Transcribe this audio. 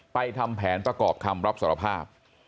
ทำแผนประกอบคำรับสารภาพ